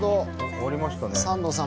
終わりましたね。